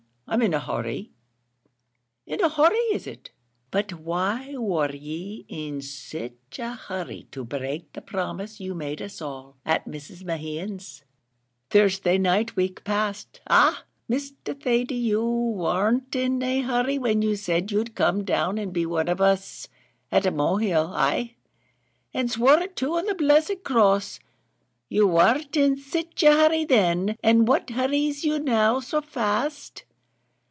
I'm in a hurry." "In a hurry is it? but why wor ye in sich a hurry to break the promise you made us all, at Mrs. Mehan's, Thursday night week past. Ah! Mr. Thady, you worn't in a hurry when you said you'd come down and be one of us at Mohill ay! and swore it too on the blessed cross; you worn't in sich a hurry then, and what hurries you now so fast?"